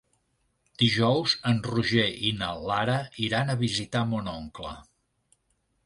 Dijous en Roger i na Lara iran a visitar mon oncle.